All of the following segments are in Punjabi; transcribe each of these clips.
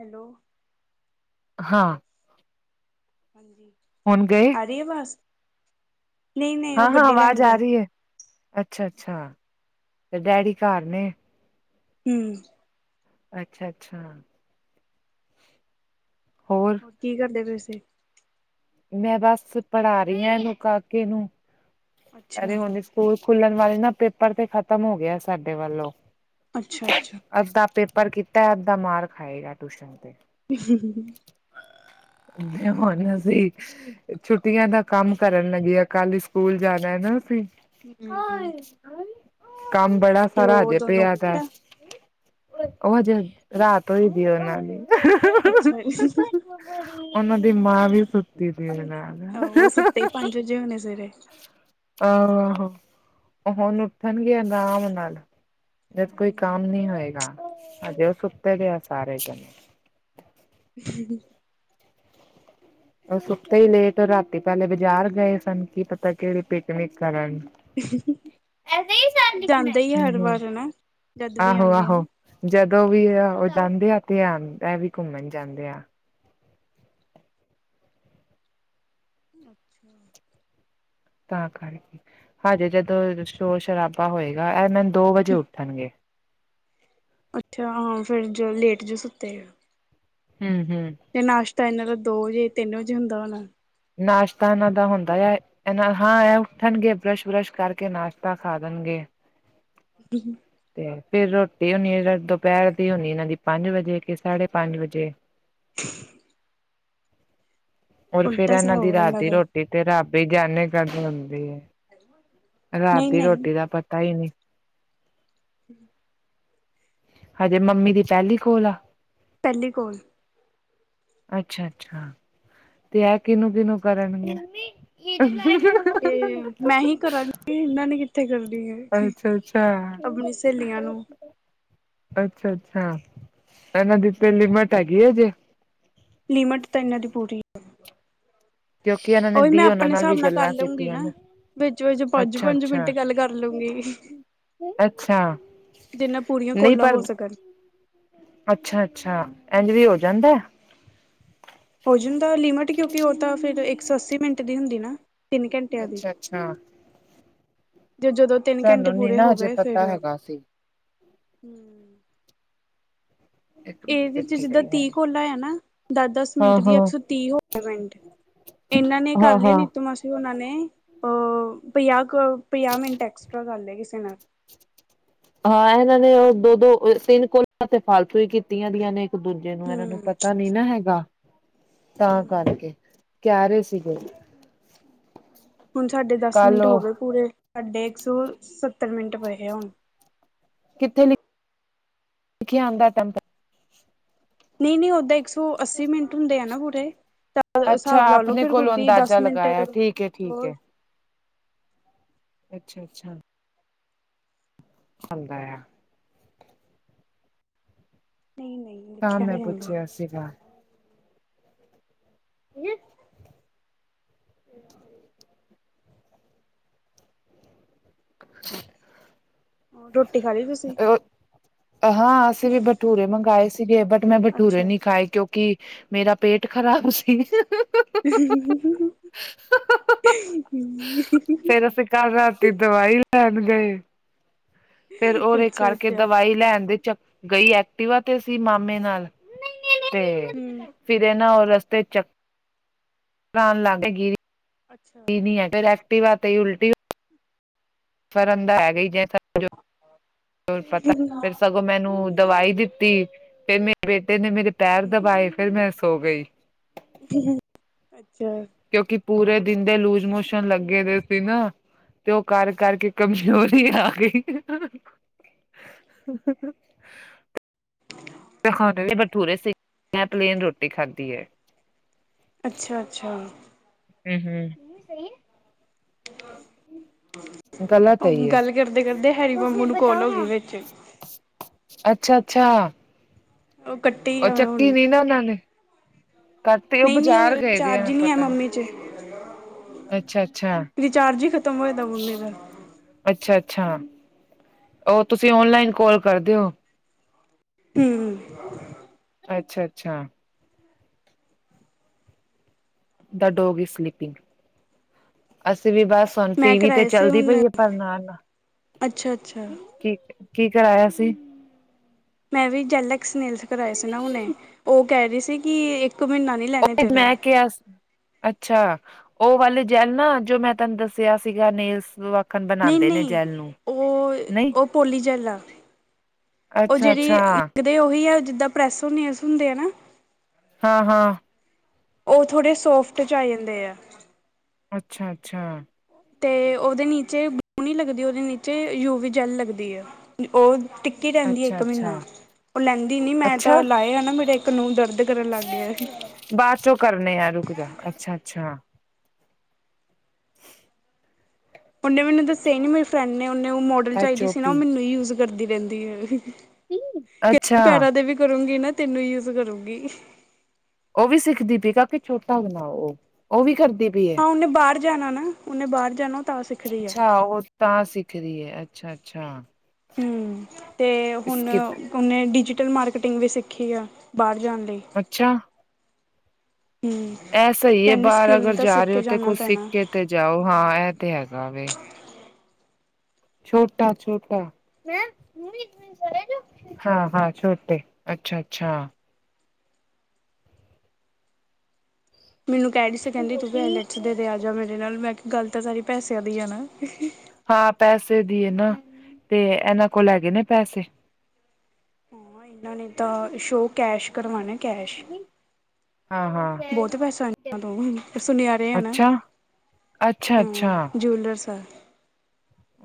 ਹੈਲੋ ਹਾਂ। ਹਾਂਜੀ ਹੁਣ ਗਏ। ਆਰੀ ਅਵਾਜ ਹਾਂ- ਹਾਂ ਆਵਾਜ਼ ਗਏ ਆ ਰਹੀ ਹੈ। ਅੱਛਾ-ਅੱਛਾ ਤੇ ਡੈਡੀ ਘਰ ਨੇ ਹੂੰ ਅੱਛਾ- ਅੱਛਾ ਹੋਰ ਕੀ ਕਰਦੇ ਪਏ ਸੀ। ਮੈਂ ਬਸ ਪੜ੍ਹਾ ਰਹੀ ਹਾਂ ਇਹਨੂੰ ਕਾਕੇ ਨੂੰ ਅੱਛਾ ਅਰੇ ਹੁਣੇ ਸਕੂਲ ਖੁੱਲਣ ਵਾਲੇ ਨਾ ਪੇਪਰ ਤੇ ਖ਼ਤਮ ਹੋ ਗਿਆ ਸਾਡੇ ਵੱਲੋਂ ਅੱਛਾ- ਅੱਛਾ ਅੱਧਾ ਪੇਪਰ ਕੀਤਾ ਹੈ ਅੱਧਾ ਮਾਰ ਖਾਏਗਾ ਟਊਸ਼ਨ ਤੇ [inaudible] ਹੁਣ ਅਸੀਂ ਛੁੱਟੀਆਂ ਦਾ ਕੰਮ ਕਰਨ ਲਗੀ ਕੱਲ ਸਕੂਲ ਜਾ ਜਿਆਦਾ ਸੀ। ਹੂੰ-ਹੂੰ ਕੰਮ ਬੜਾ ਸਾਰਾ ਹਜੇ ਦੋਨੋਂ ਪਿਆ ਦਾ। ਉੱਪਰ ਆ ਉਹ ਹਜੇ ਹ ਰਾਤ ਹੋਈ ਦੀ ਉਹਨਾਂ ਦੀ। [inaudible] ਅੱਛਾ [inaudible] ਉਹਨਾਂ ਦੀ ਮਾਂ ਵੀ ਸੁੱਤੀ ਦੀ ਨਾਲ ਆਹੋ ਸੁੱਤੇ ਹੀ ਪੰਜ ਵਜੇ ਹੋਣੇ ਸਵੇਰੇ ਆਹੋ-ਆਹੋ ਹੁਣ ਉੱਠਣਗੇ ਆਰਾਮ ਨਾਲ ਜਦ ਕੋਈ ਹੂੰ, ਕੰਮ ਨੀ ਹੋਏਗਾ ਹਜੇ ਉਹ ਸੁੱਤੇ ਦੇ ਸਾਰੇ ਜਾਣੇ ਵੀ ਉਹ ਸੁਤੇ ਹੀ ਲੇਟ ਰਾਤੀ ਪਹਿਲੇ ਬਾਜ਼ਾਰ ਗਏ ਸਨ। ਕੀ ਪਤਾ ਕਿਹੜੀ ਪਿਕਨਿਕ ਕਰਨ। ਜਾਂਦੇ ਹੀ ਆ ਹਰ ਵਾਰ ਹਨਾ ਜਦ ਵੀ ਆਉਂਦੇ ਆ ਆਹੋ-ਆਹੋ। ਨਾ ਜਦੋਂ ਵੀ ਉਹ ਜਾਂਦੇ ਆ ਤੇ ਆਉਂਦਾ ਇਹ ਵੀ ਘੁੰਮਣ ਜਾਂਦੇ ਆ। ਅੱਛਾ ਤਾਂ ਕਰਕੇ ਹਜੇ ਜਦੋਂ ਸ਼ੋਰ ਸ਼ਰਾਬਾ ਹੋਏਗਾ। ਇਹ ਨਾ ਦੋ ਵਜੇ ਉੱਠਣਗੇ। ਅੱਛਾ ਹਾਂ। ਫਿਰ ਜੋ ਲੇਟ ਜੋ ਸੁੱਤੇ ਆ। ਹੂੰ-ਹੂੰ। ਤੇ ਨਾਸ਼ਤਾ ਇਹਨਾਂ ਦਾ ਦੋ ਵਜੇ ਤਿੰਨ ਵਜੇ ਹੁੰਦਾ ਹੋਣਾ? ਨਾਸ਼ਤਾ ਇਹਨਾਂ ਦਾ ਹੁੰਦਾ ਆ। ਇਹ ਹਾਂ ਇਹ ਉੱਠਣਗੇ ਬਰੱਸ਼ ਬਰਸ਼ ਕਰਕੇ ਨਾਸ਼ਤਾ ਖਾ ਲੈਣਗੇ। [unintelligible] ਤੇ ਫਿਰ ਰੋਟੀ ਹੋਣੀ ਦੁਪਹਿਰ ਦੀ ਹੋਣੀ। ਇਹਨਾਂ ਦੀ ਪੰਜ ਵਜੇ ਕੇ ਸਾਢੇ ਪੰਜ ਵਜੇ। [unintelligible] ਹੋਰ ਫਿਰ ਉਲਟਾ ਇਹਨਾਂ ਹਿਸਾਬ ਦੀ ਆ ਰਾਤ ਦੀ ਦਾ ਰੋਟੀ ਤੇ ਰੱਬ ਹੀ ਜਾਨੇ ਕਦ ਹੁੰਦੀ ਹੈ। ਰਾਤ ਨਹੀਂ ਦੀ ਨਹੀਂ ਰੋਟੀ ਦਾ ਪਤਾ ਹੀ ਨਹੀਂ। ਹਠੀ ਹਜੇ ਮੰਮੀ ਦੀ ਪਹਿਲੀ ਕੋਲ ਆ? ਪਹਿਲੀ ਕੋਲ। ਅੱਛਾ-ਅੱਛਾ। ਤੇ ਇਹ ਕਿਹਨੂੰ-ਕਿਹਨੂੰ ਕਰਨਗੇ? ਤੇ ਮੈਂ ਹੀ ਕਰਾਂਗੀ ਇਹਨਾਂ ਨੇ ਕਿੱਥੇ ਕਰਨੀ ਹੈ। ਅੱਛਾ ਅੱਛਾ ਆਪਣੀ ਸਹੇਲੀਆਂ ਨੂੰ। ਅੱਛਾ-ਅੱਛਾ ਇਹਨਾਂ ਦੀ ਤੇ ਲਿਮਿਟ ਹੈਗੀ ਅਜੇ। ਲਿਮਿਟ ਤਾਂ ਇਹਨਾਂ ਦੀ ਪੂਰੀ ਹੈ। ਕਿਉਂਕਿ ਇਹਨਾਂ ਨੇ ਉਹੀ ਮੈਂ ਦੀ ਉਹਨਾਂ ਆਪਣੇ ਵੀ ਹਿਸਾਬ ਨਾਲ ਕਰ ਗੱਲਾਂ ਲਊਗੀ ਕੀਤੀਆਂ ਨਾ। ਨੇ ਵਿੱਚ-ਵਿੱਚ, ਅੱਛਾ ਪੰਜ-ਪੰਜ ਮਿੰਟ ਅੱਛਾ ਗੱਲ ਕਰ ਲੂੰਗੀ। ਅੱਛਾ। ਜਿੰਨਾ ਪੂਰੀਆਂ ਕਾਲਾਂ ਹੋ ਸਕਣ। ਅੱਛਾ-ਅੱਛਾ ਇੰਝ ਵੀ ਹੋ ਜਾਂਦਾ ਐ। ਹੋ ਜਾਂਦਾ ਲਿਮਿਟ ਕਿਉਂਕਿ ਉਹ ਤਾਂ ਫਿਰ ਇੱਕ ਸੌ ਅੱਸੀ ਮਿੰਟ ਦੀ ਹੁੰਦੀ ਨਾ। ਅੱਛਾ-ਅੱਛਾ। ਤੇ ਜਦੋਂ ਤਿੰਨ ਘੰਟੇ ਸਾਨੂੰ ਨੀ ਪੂਰੇ ਨਾ ਹੋ ਹਜੇ ਗਏ ਪਤਾ ਫਿਰ। ਹੈਗਾ ਸੀ ਇੱਕ ਮਿੰਟ ਇਹਦੇ ਚ ਕਿੱਥੇ ਜਿੱਦਾਂ ਗਈ ਤੀਹ ਮੈਨੇ ਕਾਲਾਂ ਆ ਨਾ, ਦਸ-ਦਸ ਮਿੰਟ ਦੀ ਹਾਂ-ਹਾਂ, ਇੱਕ ਸੌ ਤੀਹ ਹੋ ਗਏ ਮਿੰਟ। ਇਹਨਾਂ ਨੇ ਹਾਂ-ਹਾਂ। ਹਾਂ ਕਰ ਲਏ ਹਾਂ ਨੀਤੂ ਮਾਸੀ ਉਹਨਾਂ ਨੇ ਅਹ ਪੰਜਾਹ ਕ ਪੰਜਾਹ ਮਿੰਟ ਐਕਸਟਰਾ ਕਰ ਲਏ ਕਿਸੇ ਨਾਲ। ਹਾਂ ਇਹਨਾਂ ਨੇ ਉਹ ਦੋ-ਦੋ ਤਿੰਨ ਕਾਲਾਂ ਤੇ ਫਾਲਤੂ ਹੀ ਕੀਤੀਆਂ ਦੀਆਂ ਨੇ। ਇੱਕ ਦੂਜੇ ਨੂੰ ਇਹਨਾਂ ਨੂੰ ਹੂੰ ਪਤਾ ਨਹੀਂ ਨਾ ਹੈਗਾ ਤਾਂ ਹੂੰ ਕਰਕੇ। ਕਹਿ ਰਹੇ ਸੀਗੇ। ਹੁਣ ਸਾਡੇ ਦਸ ਕੱਲ ਮਿੰਟ ਹੋ ਉਹ ਗਏ ਪੂਰੇ ਸਾਡੇ ਇੱਕ ਸੌ ਸੱਤਰ ਮਿੰਟ ਪਏ ਆ ਹੁਣ। ਕਿੱਥੇ ਨਹੀਂ ਲਿਖਿਆ ਆਉਂਦਾ [unintelligible] ਨਹੀਂ-ਨਹੀਂ ਓਦਾਂ ਇੱਕ ਸੌ ਅੱਸੀ ਮਿੰਟ ਹੁੰਦੇ ਆ ਨਾ ਪੂਰੇ। ਅੱਛਾ ਹਿਸਾਬ ਲਾ ਲਉ ਆਪਣੇ ਫਿਰ ਕੋਲੋਂ ਤੁਸੀਂ ਦਸ ਅੰਦਾਜ਼ਾ ਮਿੰਟ ਲਗਾਇਆ ਠੀਕ ਏ-ਠੀਕ ਹੋਰ ਏ। ਅੱਛਾ-ਅੱਛਾ। ਹੁੰਦਾ ਆ। ਨਹੀਂ ਨਹੀਂ। ਤਾਂ ਲਿਖਿਆ ਮੈਂ ਨਹੀਂ ਆਉਂਦਾ ਪੁੱਛਿਆ ਸੀਗਾ। ਜੀ। [inaudible] ਰੋਟੀ ਖਾ ਲਈ ਤੁਸੀਂ? ਉਹ ਹਾਂ ਅਸੀਂ ਵੀ ਭਟੂਰੇ ਮੰਗਵਾਏ ਸੀਗੇ, ਬਟ ਮੈਂ ਭਟੂਰੇ ਅੱਛਾ ਨੀ ਖਾਏ। ਕਿਉਂਕਿ ਮੇਰਾ ਪੇਟ ਖ਼ਰਾਬ ਸੀ। ਫੇਰ [inaudible] ਅਸੀਂ ਕੱਲ ਰਾਤੀ ਦਵਾਈ ਲੈਣ ਗਈ। ਫੇਰ ਉਹਦੇ ਅੱਛਾ ਕਰਕੇ ਅੱਛਾ ਦਵਾਈ ਲੈਣ ਦੇ ਚ, ਗਈ ਐਕਟਿਵਾ ਤੇ ਸੀ ਮਾਮੇ ਨਾਲ। ਤੇ ਹਮ ਫਿਰ ਇਹ ਨਾ, ਉਹ ਰਸਤੇ ਚੱਕਰ ਆਣ ਲੱਗ ਗਿਆ, ਗਿਰ ਗਈ। ਅੱਛਾ ਕੀ ਨੀ ਐ, ਫਿਰ ਐਕਟਿਵ ਤੇ ਈ ਉਲਟੀ। ਫਰਦਾ ਹੈਗਾ ਹੀ ਜ [inaudible] ਉਹ ਮੈਨੂੰ ਦਵਾਈ ਦਿੱਤੀ, ਫੇਰ ਮੇਰ ਬੇਟੇ ਨੇ ਮੇਰੇ ਪੈਰ ਦਬਾਏ, ਫੇਰ ਮੈਂ ਸੋ ਗਈ। ਅੱਛਾ ਕਿਉਂਕਿ ਪੂਰੇ ਦਿਨ ਦੇ ਲੂਜ ਮੋਸ਼ਨ ਲੱਗੇ ਦੇ ਸੀ ਨਾ। ਤੇ ਉਹ ਕਰ ਕਰਕੇ ਕਮਜ਼ੋਰ ਆ ਗਈ। [inaudible] ਖਾਣੇ ਵੀ ਭਟੂਰੇ ਸੀ, ਮੈਂ ਪਲੇਨ ਰੋਟੀ ਖਾਧੀ ਐ। ਅੱਛਾ ਅੱਛਾ। ਹੂੰ ਹੂੰ ਗਲਤ ਹੈ ਉਹ ਯੇ ਗੱਲ ਕਰਦੇ ਕਰਦੇ, ਹੈਰੀ ਮਾਮੂ ਨੂੰ ਕੋਲ ਹੋ ਗਈ ਵਿੱਚ। ਅੱਛਾ ਅੱਛਾ। ਉਹ ਕੱਟੀ ਉਹ ਆ ਮੈਂ ਹੁਣ ਚੱਕੀ ਨੀ ਨਾ ਉਹਨਾਂ ਨੇ। ਕਰ ਤੇ ਉਹ ਨਹੀਂ ਨਹੀਂ ਬਾਜ਼ਾਰ ਗਏ ਵੇ ਆ ਚਾਰਜ ਨਹੀਂ ਹੈ ਪਤਾ ਨੀ। ਮੰਮੀ ਚ ਅੱਛਾ ਅੱਛਾ। ਰਿਚਾਰਜ ਹੀ ਖਤਮ ਹੋਇਆ ਦਾ ਮੰਮੀ ਦਾ ਅੱਛਾ ਅੱਛਾ, ਉਹ ਤੁਸੀਂ ਓਨਲਾਈਨ ਕੋਲ ਕਰਦੇ ਹੋ। ਹੂੰ ਅੱਛਾ ਅੱਛਾ। ਦਾ ਡੋਗ ਇਜ ਸਲੀਪਿੰਗ, ਅਸੀਂ ਵੀ ਬਸ। ਹੁਣ ਮੈਂ ਟੀਵੀ ਤੇ ਕਰਾਏ ਸੀ ਚੱਲਦੀ ਹੁਣ ਪਈ ਐ, ਪਰ ਨਾ ਨਾ, ਅੱਛਾ ਅੱਛਾ ਕੀਂ ਕੀ ਕਰਾਇਆ ਸੀ? ਮੈਂ ਵੀ ਜੈਲਇਕਸ ਨੈਲਜ਼ ਕਰਏ ਸੀ ਨਾ ਹੁਨੇ, ਉਹ ਕਹਿ ਰਹੀ ਸੀ ਕਿ ਇੱਕ ਮਹੀਨਾ ਨੀ। ਉਹ ਵੀ ਮੈਂ ਕਿਹਾ ਸੀ। ਅੱਛਾ ਉਹ ਵਾਲੇ ਜੈਲ ਨਾ, ਜੋ ਮੈਂ ਤੁਹਾਨੂੰ ਦੱਸਿਆ ਸੀਗਾ ਨੇਲਸ। ਵਾਕਣ ਨਹੀਂ ਬਣਾਉਂਦੇ ਨੇ ਨਹੀਂ, ਜੈਲ ਨੂੰ ਉਹ ਨਹੀਂ ਉਹ ਪੋਲੀ ਜੈਲ ਆ। ਉਹ ਅੱਛਾ ਜਿਹੜੀ ਅੱਛਾ ਲੱਗਦੇ ਉਹੀ ਐ, ਜਿੱਦਾਂ ਪ੍ਰੈਸ ਓਨ ਨੈਲਸ਼ ਹੁੰਦੇ ਆ, ਹਨਾਂ? ਹਾਂ ਹਾਂ। ਉਹ ਥੋੜੇ ਸੋਫਟ ਚ ਆ ਜਾਂਦੇ ਆ। ਅੱਛਾ ਅੱਛਾ। ਤੇ ਉਹਦੇ ਨੀਚੇ ਗਲੂ ਨੀ ਲਗਦੀ, ਉਹ ਦੇ ਨੀਚੇ ਯੂ ਵੀ ਜੈਲ ਲਗਦੀ ਆ। ਉਹ ਟਿੱਕੀ ਰਹਿੰਦੀ ਐ, ਅੱਛਾ ਇੱਕ ਅੱਛਾ ਮਹੀਨਾ। ਉਹ ਲੈਂਦੀ ਨੀ, ਮੈਂ ਤਾਂ ਅੱਛਾ ਲਾਏ ਆ ਨਾ, ਮੇਰਾ ਇੱਕ ਨੁਹ ਦਰਦ ਕਰਨ ਲੱਗ ਗਿਆ। ਬਾਚੋ ਕਰਨੇ ਆ ਰੁਕ ਜਾ, ਅੱਛਾ ਅੱਛਾ। ਉਹਨੇ ਮੈਨੂੰ ਦੱਸਿਆ ਹੀ ਨ ਮੇਰੀ ਫਰੈਂਡ ਨੇ। ਉਹ ਮੋਡਲ ਐਚ ਚਾਹੀਦੀ ਓ ਸੀ ਨਾ ਉਹ ਪੀ ਮੈਨੂੰ ਯੂਜ ਕਰਦੀ ਰਹਿੰਦੀ ਹੈ। ਕਿ ਅੱਛਾ ਪੈਰਾਂ ਦੇ ਵੀ ਕਰੂਗੀ ਨਾ ਤੈਨੂੰ ਯੂਜ ਕਰੂਗੀ। ਉਹ ਵੀ ਸਿੱਖਦੀ ਪਈ ਕਾਕੀ ਛੋਟਾ ਬਣਾਓ ਉਹ ਵੀ ਕਰਦੀ ਪਈ ਹੈ? ਉਹਨੇ ਬਾਹਰ ਜਾਣਾ ਨਾ। ਉਹਨੇ ਬਾਹਰ ਜਾਣਾ। ਤਾਂ ਸਿੱਖ ਰਹੀ ਹੈ। ਅੱਛਾ ਉਹ ਤਾਂ ਸਿੱਖਦੀ ਹੈ। ਅੱਛਾ, ਅੱਛਾ। ਹੂੰ ਅਤੇ ਹੁਣ ਸਕਿਪ ਉਹਨੇ ਡਿਜੀਟਲ ਮਾਰਕੀਟਿੰਗ ਵੀ ਸਿੱਖੀ ਆ। ਬਾਹਰ ਜਾਣ ਲਈ। ਅੱਛਾ। ਹੂੰ ਇਹ ਸਹੀ ਹੈ। ਕਹਿੰਦੀ ਬਾਹਰ ਸਕਿੱਲ ਅਗਰ ਤਾਂ ਜਾ ਸਿੱਖ ਰਹੇ ਹੋ ਕੇ ਤੇ ਜਾਣਾ ਕੁਛ ਸਿੱਖ ਪੈਣਾ। ਕੇ ਤੇ ਜਾਓ। ਹਾਂ ਇਹ ਤੇ ਹੈਗਾ ਵੇ। ਛੋਟਾ, ਛੋਟਾ। [inaudible] ਹਾਂ- ਹਾਂ ਛੋਟੀ ਅੱਛਾ-ਅੱਛਾ। ਮੈਨੂੰ ਕਹਿ ਡੀ ਸੀ ਕਹਿੰਦੀ ਤੂੰ ਪਲੈਟਸ ਦੇ ਆ ਜਾ ਮੇਰੇ ਨਾਲ ਮੈਂ ਕਿਹਾ ਗਲਤ ਸਾਰੀ ਪੈਸਿਆਂ ਦੀ ਆ ਨਾ [inaudible] ਹਾਂ ਪੈਸੇ ਦੀ ਹੈ ਨਾ ਤੇ ਇਹਨਾਂ ਕੋਲ ਹੈਗੇ ਨੇ ਪੈਸੇ ਹਾਂ ਇਹਨਾਂ ਨੇ ਤਾਂ ਸ਼ੋ ਕੈਸ਼ ਕਰਵਾਣਾ ਕੈਸ਼ ਹਾਂ ਹਾਂ ਬਹੁਤ ਪੈਸਾ ਇਨਾ ਦ ਸੁਨਿਆਰੇ ਆ ਨਾ। ਅੱਛਾ ਅੱਛਾ- ਅੱਛਾ ਜੂਲਰਸਰ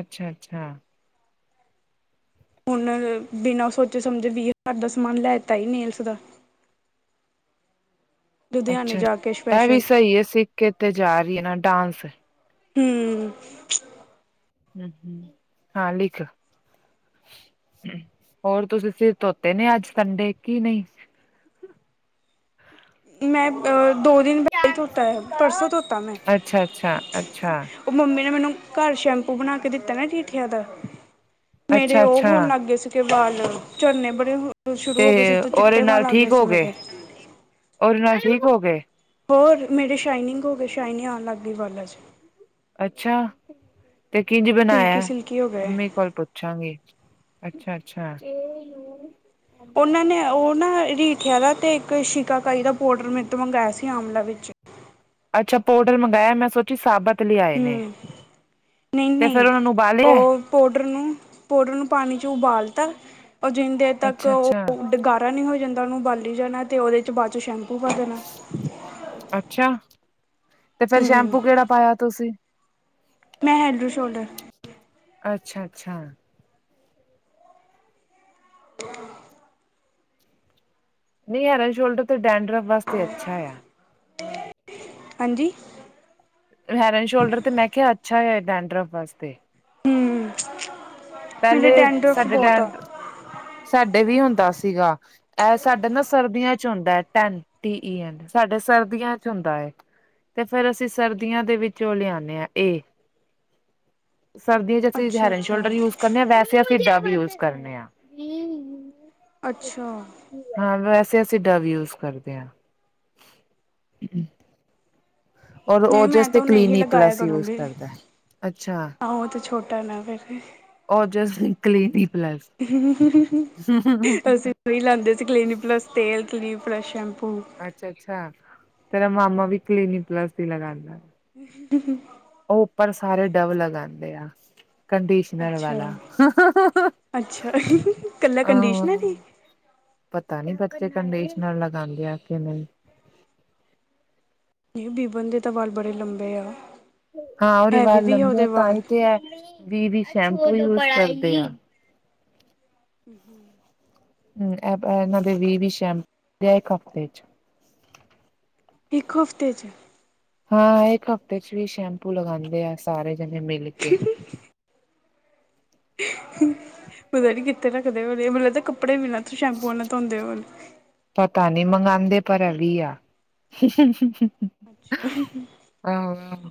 ਅੱਛਾ-ਅੱਛਾ ਹੁਣ ਬਿਨਾਂ ਸੋਚੇ ਸਮਝੇ ਵੀਹ ਹਜ਼ਾਰ ਦਾ ਸਮਾਨ ਲੈ ਤ ਸੀ ਨੇਲਸ ਦਾ। ਲੁਧਿਆਣੇ ਅੱਛਾ ਜਾ ਕੇ ਇਹ ਵੀ ਸਪੈਸ਼ਲ ਸਹੀ ਹੈ ਸਿੱਖ ਕੇ ਤੇ ਜਾ ਰਹੀ ਹੈ ਨਾ ਡਾਂਸ ਹੂੰ ਹੂੰ ਹੂੰ- ਹੂੰ ਹਾਂ ਲਿੱਖ ਹੋਰ ਤੁਸੀਂ ਸਿਰ ਧੋਤੇ ਨੇ ਅੱਜ ਸੰਡੇ ਕੀ ਨਹੀ ਮੈਂ ਦੋ ਦਿਨ ਬ ਧੋਤਾ ਹੈ ਪਰਸੋਂ ਧੋਤਾ ਮੈਂ ਅੱਛਾ ਅੱਛਾ ਅੱਛਾ ਉਹ ਮੰਮੀ ਨੇ ਮੈਨੂੰ ਘਰ ਸ਼ੈਂਪੂ ਬਣਾ ਕੇ ਦਿੱਤਾ ਨਾ ਰੀਠਿਆ ਦਾ ਮੇਰੇ ਅੱਛਾ ਉਹ ਹੋਣ ਅੱਛਾ ਲੱਗ ਗਏ ਸੀ ਕਿ ਬਾਲ ਝੜਨੇ ਬੜੇ ਸ਼ੁਰੂ ਤੇ ਹੋ ਗਏ ਸੀ ਉਹਦੇ ਚਿੱਟੇ ਨਾਲ ਵਾਲ ਆ ਗਏ ਠੀਕ ਸੀ ਹੋ ਮੇਰੇ ਉਹਦੇ ਨਾਲ ਠੀਕ ਹੋ ਗਏ। ਹੋਰ ਮੇਰੇ ਸ਼ਾਈਨਿੰਗ ਹੋ ਗਏ ਸ਼ਾਈਨਿੰਗ ਆਉਣ ਲੱਗ ਗਈ ਵਾਲਾਂ 'ਚ ਅੱਛਾ ਤੇ ਕਿੰਝ ਸਿਲਕੀ ਬਣਾਇਆ ਸਿਲਕੀ ਹੋ ਗਏ ਮੰਮੀ ਕੋਲ ਪੁੱ ਛਾਂਗੇ ਅੱਛਾ- ਅੱਛਾ ਉਹਨਾਂ ਨੇ ਉਹ ਨਾ ਰੀਠਿਆ ਦਾ ਤੇ ਇੱਕ ਸ਼ਿਕਾਕਾਈ ਦਾ ਪਾਊਡਰ ਮੇਰੇ ਤੋਂ ਮੰਗਵਾਇਆ ਸੀ ਆਂਮਲਾ ਵਿੱਚ ਅੱਛਾ ਪੋਡਰ ਮੰਗਾਇਆ ਮੈਂ ਸੋਚੀ ਸਾਬਤ ਲਿਆਏ ਨੇ। ਹੂੰ ਤੇ ਨਹੀਂ-ਨਹੀਂ ਫੇਰ ਉਹਨਾਂ ਨੂੰ ਉਬਾਲਿਆ ਉਹ ਪਾਊਡਰ ਨੂੰ ਪਾਊਡਰ ਨੂੰ ਪਾਣੀ 'ਚ ਉਬਾਲਤਾ ਉਹ ਜਿੰਨ ਦੇਰ ਤੱਕ ਅੱਛਾ ਉਹ ਅੱਛਾ ਡ ਨਹੀਂ ਹੋ ਜਾਂਦਾ ਉਹਨੂੰ ਉਬਾਲ ਈ ਜਾਣਾ ਤੇ ਉਹਦੇ 'ਚ ਬਾਅਦ 'ਚ ਸ਼ੈਂਪੂ ਪਾ ਦੇਣਾ। ਅੱਛਾ ਤੇ ਫੇਰ ਹੂੰ ਸ਼ੈਂਪੂ ਕਿਹੜਾ ਪਾਇਆ ਤੁਸੀਂ ਮੈਂ ਹੈੱਲਡਰ ਸ਼ੋਲਡਰ ਅੱਛਾ- ਅੱਛਾ ਨਹੀਂ ਹੈਰ ਐਂਡ ਸ਼ੋਲਡਰ ਤੇ ਡੈਂਡਰਫ ਵਾਸਤੇ ਅੱਛਾ ਆ। ਹਾਂਜੀ ਹੈਡ ਐਂਡ ਸ਼ੋਲਡਰ ਤੇ ਮੈਂ ਕਿਹਾ ਅੱਛਾ ਹੈ। ਡਡਰਫ ਵਾਸਤੇ ਹੂੰ ਮੇਰੇ ਪਹਿਲੇ ਡੈਂਡਰਫ ਸਾਡੇ ਬਹੁਤ ਟਾਈਮ ਆ ਸਾਡੇ ਵੀ ਹੁੰਦਾ ਸੀਗਾ। ਇਹ ਸਾਡੇ ਨਾ ਸਰਦੀਆਂ 'ਚ ਹੁੰਦਾ ਟੈਨ ਟੀ ਈ ਐਨ ਸਾਡੇ ਸਰਦੀਆਂ 'ਚ ਹੁੰਦਾ ਹੈ। ਤੇ ਫਿਰ ਅਸੀਂ ਸਰਦੀਆਂ ਦੇ ਵਿੱਚ ਉਹ ਲਿਆਣੇ ਹਾਂ ਇਹ [inaudible] ਸਰਦੀਆਂ 'ਚ ਅਸੀਂ ਹੈਲਰਡ ਅੱਛਾ-ਅੱਛਾ ਸ਼ੋਲਡਰ ਯੂਜ ਕਰਨੇ ਆ ਵੈਸੇ ਅਸੀਂ ਡਬ ਯੂਜ ਕਰਨੇ ਆ। ਅੱਛਾ ਹਾਂ ਵੈਸੇ ਅਸੀਂ ਡਵ ਯੂਜ ਕਰਦੇ ਹਾਂ। ਔਰ ਨਹੀਂ ਮੈਂ ਓਜਸ ਤੇ ਤਾਂ ਹੁਣੇ ਹੀ ਕਲੀਨੀ ਲਗਾਇਆ ਪਲੱਸ ਯੂਜ ਕਰੂੰਗੀ। ਕਰਦਾ ਅੱਛਾ ਆ ਉਹ ਤਾਂ ਛੋਟਾ ਨਾ ਫਿਰ ਔਰ ਜਸਟ ਕਲੀਨ ਪਲਸ [inaudible] ਅਸੀਂ ਉਹੀ ਲਾਂਦੇ ਸੀ ਕਲੀਨਿਕ ਪਲੱਸ ਤੇਲ ਕਲੀਨਿਕ ਪਲੱਸ ਸ਼ੈਂਪੂ ਅੱਛਾ-ਅੱਛਾ ਤੇਰਾ ਮਾਮਾ ਵੀ ਕਲੀਨਿਕ ਪਲੱਸ ਈ ਲਗਾਦਾ। [inaudible] ਉਹ ਉੱਪਰ ਸਾਰੇ ਡਵ ਲਗਾਂਦੇ ਆ। ਕੰਡੀਸ਼ਨਸ਼ਨਰ ਵਾਲਾ ਅੱਛਾ-ਅੱਛਾ ਇਕੱਲਾ ਕੰਡੀਸ਼ਨਰ ਹੀ [inaudible] ਪਤਾ ਨੀ ਕੇ ਕੰਡੀਸ਼ਨਰ ਲਗਾਂਦੇ ਆ ਕੀ ਨਹੀ। ਨਹੀਂ ਬੀਬਨ ਦੇ ਤਾਂ ਵਾਲ ਬੜੇ ਲੰਬੇ ਆ। ਹਾਂ ਉਹਦੇ ਹੈਵੀ ਵਾਲ ਵੀ ਲੰਬੇ ਉਹਦੇ ਆ ਤਾਂ ਵਾਲ ਹੀ ਤੇ ਹੈ ਵੀ ਵੀ ਸ਼ੈਂਪੂ ਯੂਜ ਕਰਦੇ ਆ। ਹੂੰ-ਹੂੰ, ਹੂੰ, ਇਹਨਾਂ ਦੇ ਵੀ ਵੀ ਸ਼ੈਂਪੂ ਇੱਕ ਹਫ਼ਤੇ ਚ। ਇੱਕ ਹਫ਼ਤੇ 'ਚ, ਹਾਂ ਇੱਕ ਹਫ਼ਤੇ ਚ ਵੀ ਸ਼ੈਂਪੂ ਲਗਾਦੇ, ਆ ਸਾਰੇ ਜਣੇ ਮਿਲ ਕੇ। ਪਤਾ ਨੀ ਕਿੱਥੇ ਰੱਖਦੇ ਹੋਣੇ ਮੈਨੂੰ ਲੱਗਦਾ ਕੱਪੜੇ ਵੀ ਨਾਂ ਸ਼ੈਂਪੂਆ ਨਾਲ ਧੋਂਦੇ ਹੋਣ। ਪਤਾ ਨੀ ਮੰਗਵਾਦੇ ਪਰ ਐ ਵੀ ਆ। ਅੱਛਾ, ਆਹੋ ਆਹੋ।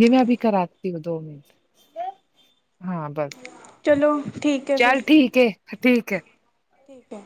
ਜ ਮੈਂ ਅਭੀ ਕਰਾਤੀ ਹੁੰ ਦੋ ਮਿੰਟ ਹਾਂ ਬਸ। ਚਲੋ ਠੀਕ, ਹੈ ਫਿਰ ਚੱਲ ਠੀਕ ਏ ਠੀਕ ਹੈ। ਠੀਕ ਹੈ,